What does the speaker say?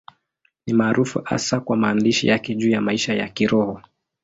Ni maarufu hasa kwa maandishi yake juu ya maisha ya Kiroho.